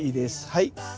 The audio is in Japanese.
はい。